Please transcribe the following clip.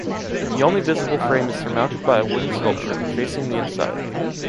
The only visible frame is surmounted by a wooden sculpture, facing the inside.